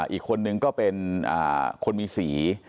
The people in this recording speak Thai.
อีกคนนึงก็เป็นคนมีสี